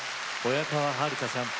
親川遥さん